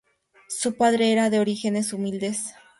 Su padre era de orígenes humildes.